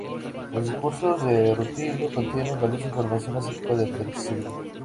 Los discursos de Rutilio contienen valiosa información acerca del derecho civil.